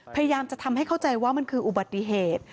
พยายามจะทำให้เข้าใจว่ามันคืออุบัติเหตุ